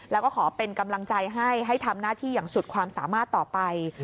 แล้วก็ขอเป็นกำลังใจให้ให้ทำหน้าที่อย่างสุดความสามารถต่อไป